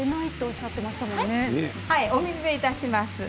はい、お水でいたします。